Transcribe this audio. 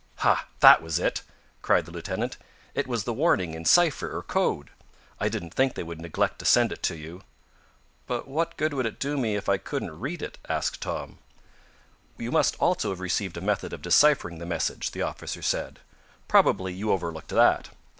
"Ha! That was it!" cried the lieutenant. "It was the warning in cipher or code. I didn't think they would neglect to send it to you." "But what good would it do me if I couldn't read it?" asked Tom. "You must also have received a method of deciphering the message," the officer said. "Probably you overlooked that.